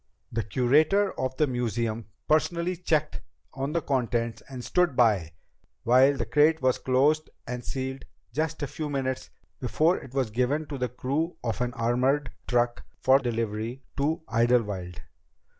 "The curator of the museum personally checked on the contents and stood by while the crate was closed and sealed just a few minutes before it was given to the crew of an armored truck for delivery to Idlewild."